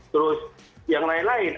terus yang lain lain